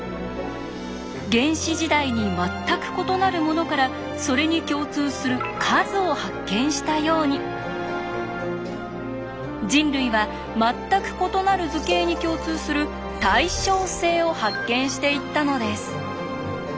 原始時代に全く異なるものからそれに共通する「数」を発見したように人類は全く異なる図形に共通する「対称性」を発見していったのです。